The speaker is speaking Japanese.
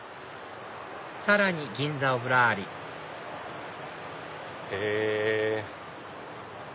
さらに銀座をぶらりへぇ。